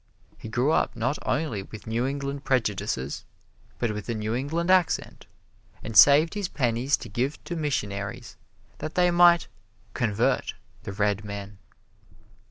He grew up not only with New England prejudices, but with a New England accent, and saved his pennies to give to missionaries that they might "convert" the Red Men.